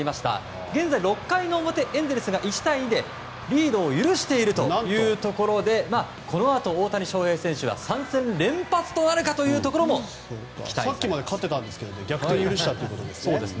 現在６回の表エンゼルスが１対２でリードを許しているというところでこのあと、大谷翔平選手は３戦連発となるかというところもさっきまで勝ってたのに逆転を許したんですね。